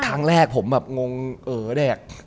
ครั้งแรกผมแบบงงเออเด็ก